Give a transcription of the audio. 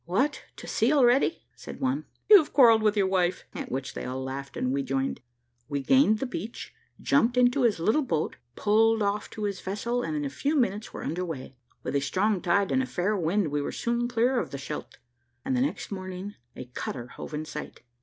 "What, to sea already?" said one. "You have quarrelled with your wife." At which they all laughed, and we joined. We gained the beach, jumped into his little boat, pulled off to his vessel, and, in a few minutes, were under weigh. With a strong tide and a fair wind we were soon clear of the Scheldt, and the next morning a cutter hove in sight.